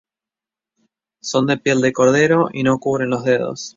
Son de piel de cordero y no cubren los dedos.